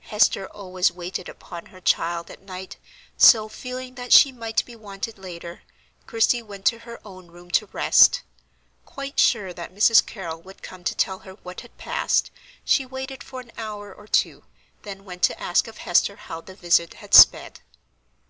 Hester always waited upon her child at night; so, feeling that she might be wanted later, Christie went to her own room to rest. Quite sure that Mrs. Carrol would come to tell her what had passed, she waited for an hour or two, then went to ask of Hester how the visit had sped.